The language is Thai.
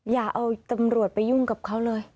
อย่าเอาตำรวจไปยุ่งกับเขาเลย